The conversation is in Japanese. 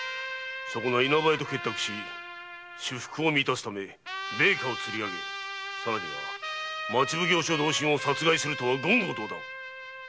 稲葉屋と結託し私腹を満たすため米価をつり上げさらには町奉行所同心を殺害するとは言語道断。